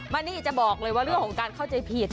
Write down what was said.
มานี่จะบอกเลยว่าเรื่องของการเข้าใจผิด